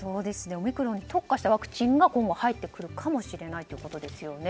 オミクロンに特化したワクチンが今後入ってくるかもしれないということですね。